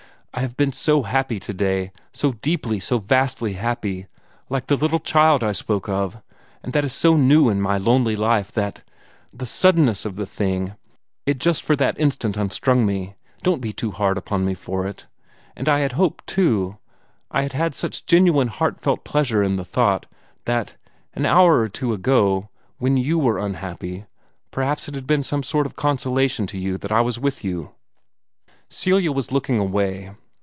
"I have been so happy today so deeply, so vastly happy like the little child I spoke of and that is so new in my lonely life that the suddenness of the thing it just for the instant unstrung me. Don't be too hard on me for it! And I had hoped, too I had had such genuine heartfelt pleasure in the thought that, an hour or two ago, when you were unhappy, perhaps it had been some sort of consolation to you that I was with you." Celia was looking away.